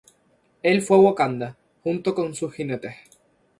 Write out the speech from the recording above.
Él fue a Wakanda, junto con sus jinetes.